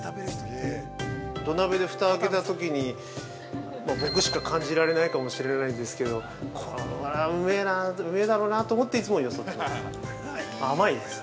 ◆土鍋で、ふたをあけたときに僕しか感じられないかもしれないですけどこれは、うめえだろうなと思っていつもよそってます。